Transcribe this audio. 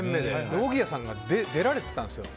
おぎやさんが出られてたんですよ。